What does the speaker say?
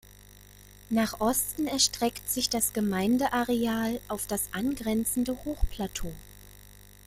Nach Osten erstreckt sich das Gemeindeareal auf das angrenzende Hochplateau.